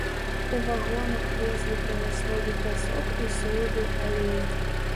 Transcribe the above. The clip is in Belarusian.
У вагонах везлі прамысловы пясок і соевы алей.